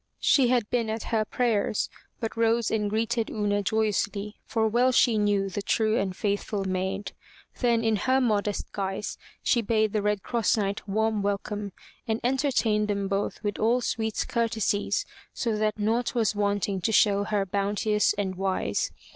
She had been at her prayers, but rose and greeted Una joyously, for well she knew the true and faithful maid. Then in her modest guise she bade the Red Cross Knight warm welcome, and enter tained them both with all sweet courtesies, so that nought was wanting to show her bounteous and wise.